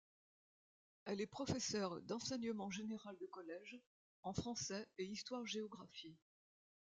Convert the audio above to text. Elle est professeure d'enseignement général de collège, en français et histoire-géographie.